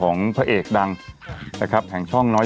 โอเค